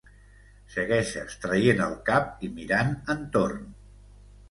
Segueixes traient el cap i mirant entorn